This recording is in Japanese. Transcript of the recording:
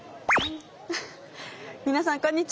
皆さんこんにちは！